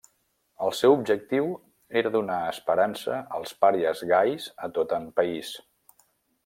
El seu objectiu era donar esperança als pàries gais a tot en país.